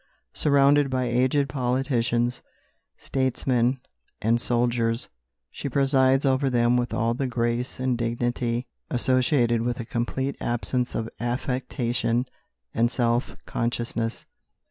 Surrounded by aged politicians, statesmen, and soldiers, she presides over them all with the grace and dignity associated with a complete absence of affectation and self consciousness.